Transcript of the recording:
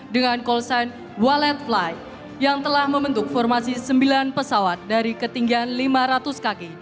dengan calsan walet fly yang telah membentuk formasi sembilan pesawat dari ketinggian lima ratus kaki